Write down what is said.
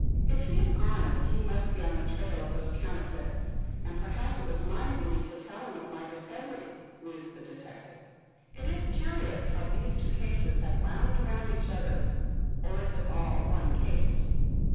"If he is honest, he must be on the trail of those counterfeits, and perhaps it was my duty to tell him of my discovery," mused the detective. "It is curious how these two cases have wound around each other, or is it all one case?"